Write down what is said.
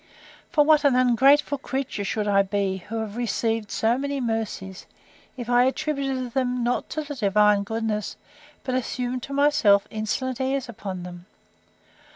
For what an ungrateful creature should I be, who have received so many mercies, if I attributed them not to the divine goodness, but assumed to myself insolent airs upon them!